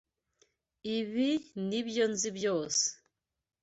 Ibi nibyo nzi byose